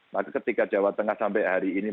maka ketika jawa tengah sampai hari ini